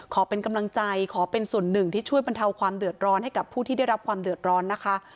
ขอเป็นกำลังใจขอเป็นส่วนหนึ่งที่ช่วยบรรเทาความเดือดร้อนให้กับผู้ที่ได้รับความเดือดร้อนนะคะ